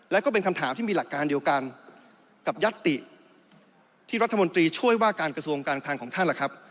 และก็เป็นคำถามที่มีหลักการเดียวกันกับยัตติที่รัฐมนตรีช่วยว่าการกระทรวงการคลังของท่านล่ะครับ